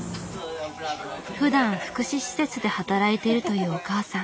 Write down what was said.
ふだん福祉施設で働いてるというお母さん。